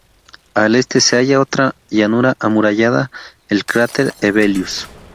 Al este se halla otra llanura amurallada, el cráter Hevelius.